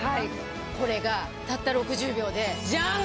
これがたった６０秒でじゃん！